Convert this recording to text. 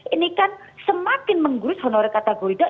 ini kan semakin menggurus honorer kategori dua